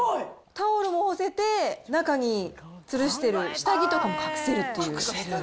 タオルも干せて、中につるしてる下着とかも隠せるっていう。